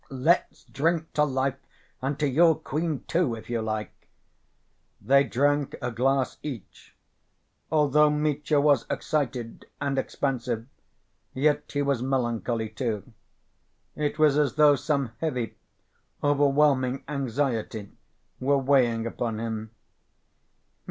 "Let's drink to life and to your queen, too, if you like." They drank a glass each. Although Mitya was excited and expansive, yet he was melancholy, too. It was as though some heavy, overwhelming anxiety were weighing upon him.